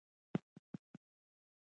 غول د خوړو د پاتې شونو مجموعه ده.